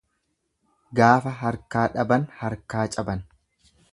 Gaafa harkaa dhaban harkaa caban.